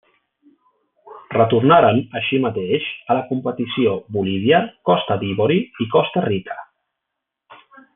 Retornaren, així mateix, a la competició Bolívia, Costa d'Ivori i Costa Rica.